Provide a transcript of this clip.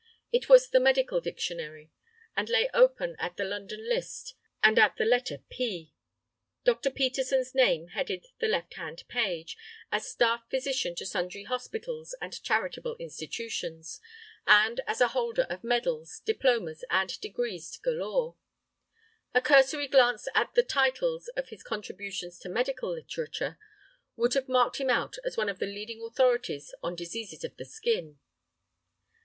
It was the Medical Directory, and lay open at the London list, and at the letter P. Dr. Peterson's name headed the left hand page, as staff physician to sundry hospitals and charitable institutions, and as a holder of medals, diplomas, and degrees galore. A cursory glance at the titles of his contributions to medical literature would have marked him out as one of the leading authorities on diseases of the skin.